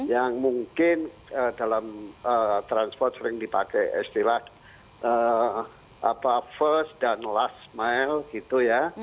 yang mungkin dalam transport sering dipakai istilah first dan last mile gitu ya